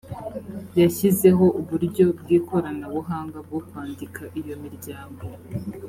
yashyizeho uburyo bw ikoranabuhanga bwo kwandika iyo miryango